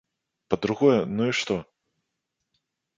Па-другое, ну і што?